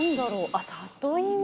あっ、里芋。